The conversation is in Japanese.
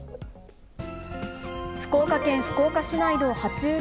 福岡県福岡市内のは虫類